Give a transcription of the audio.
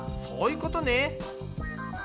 そういうことね。